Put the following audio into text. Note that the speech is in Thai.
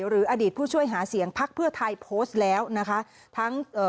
หรืออดีตผู้ช่วยหาเสียงพักเพื่อไทยโพสต์แล้วนะคะทั้งเอ่อ